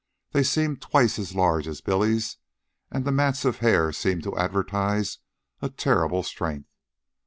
They seemed twice as large as Billy's, and the mats of hair seemed to advertise a terrible strength.